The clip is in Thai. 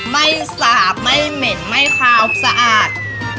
ไม่สาบไม่เหม็นไม่คาวสะอาด